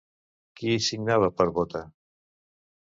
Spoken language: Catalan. Qui hi signava per Bóta?